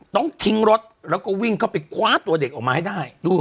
ต้องทิ้งรถแล้วก็วิ่งเข้าไปคว้าตัวเด็กออกมาให้ได้